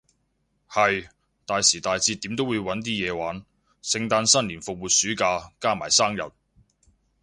係，大時大節點都會搵啲嘢玩，聖誕新年復活暑假，加埋生日